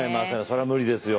それは無理ですよ。